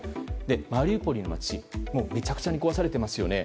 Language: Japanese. マリウポリの街めちゃくちゃに壊れていますよね。